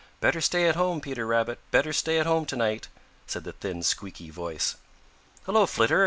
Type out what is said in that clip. "Better stay at home, Peter Rabbit. Better stay at home to night," said the thin, squeaky voice. "Hello, Flitter!"